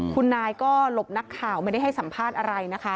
คุณนายก็หลบนักข่าวไม่ได้ให้สัมภาษณ์อะไรนะคะ